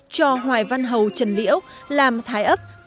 cho hoài văn hầu trần liễu làm thái ấp